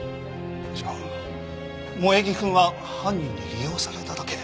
じゃあ萌衣くんは犯人に利用されただけ？